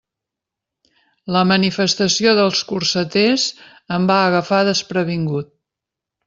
La manifestació dels corseters em va agafar desprevingut.